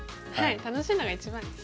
楽しいのが一番です。